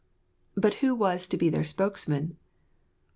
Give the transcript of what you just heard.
But who was to be their spokesman